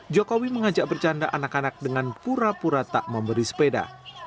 jokowi mengajak bercanda anak anak dengan pura pura tak memberi sepeda